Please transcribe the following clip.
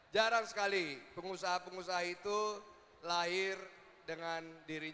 jarang sekali pengusaha pengusaha itu lahir dengan dirinya